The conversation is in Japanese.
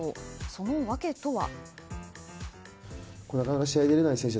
その訳とは？